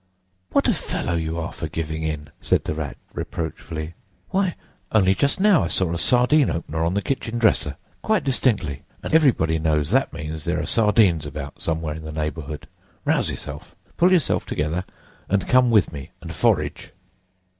"What a fellow you are for giving in!" said the Rat reproachfully. "Why, only just now I saw a sardine opener on the kitchen dresser, quite distinctly; and everybody knows that means there are sardines about somewhere in the neighbourhood. Rouse yourself! pull yourself together, and come with me and forage."